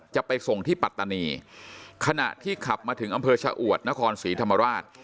จะไปส่งที่ปัตตานีขณะที่ขับมาถึงอำเภอชะอวดนครศรีธรรมราช